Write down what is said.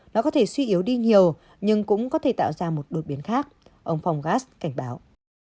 nó có thể suy yếu đi nhiều nhưng cũng có thể tạo ra một đột biến khác ông fonggas cảnh báo